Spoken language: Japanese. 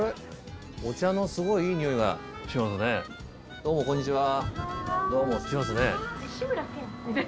どうもこんにちは。